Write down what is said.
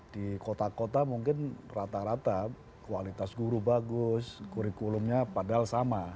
di kota kota mungkin rata rata kualitas guru bagus kurikulumnya padahal sama